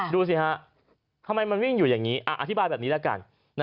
ดูสิฮะทำไมมันวิ่งอยู่อย่างนี้อธิบายแบบนี้ละกัน